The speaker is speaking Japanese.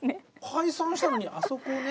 解散したのにあそこね